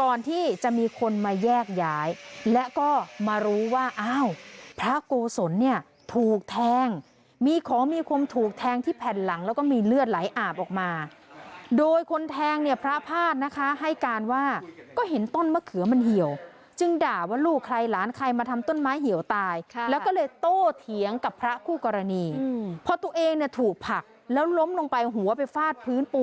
ก่อนที่จะมีคนมาแยกย้ายแล้วก็มารู้ว่าอ้าวพระโกศลเนี่ยถูกแทงมีของมีคมถูกแทงที่แผ่นหลังแล้วก็มีเลือดไหลอาบออกมาโดยคนแทงเนี่ยพระพาดนะคะให้การว่าก็เห็นต้นมะเขือมันเหี่ยวจึงด่าว่าลูกใครหลานใครมาทำต้นไม้เหี่ยวตายแล้วก็เลยโต้เถียงกับพระคู่กรณีพอตัวเองเนี่ยถูกผลักแล้วล้มลงไปหัวไปฟาดพื้นปู